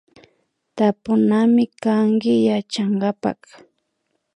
Tapunamikanki Yachankapak